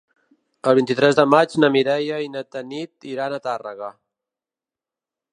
El vint-i-tres de maig na Mireia i na Tanit iran a Tàrrega.